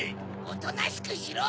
おとなしくしろ！